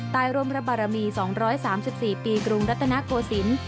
รมพระบารมี๒๓๔ปีกรุงรัตนโกศิลป์